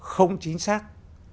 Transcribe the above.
không chính xác